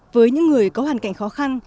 với những người có hoàn cảnh khó khăn